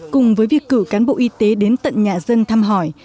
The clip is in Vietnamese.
cùng với việc cử cán bộ y tế đến tận nhà dân thăm hỏi